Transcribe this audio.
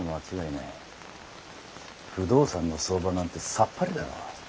不動産の相場なんてさっぱりだろう。